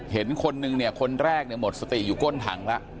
เห็นคนหนึ่งเนี่ยคนแรกเนี่ยหมดสติอยู่ก้นถังละ